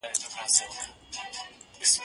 زه بايد منډه ووهم؟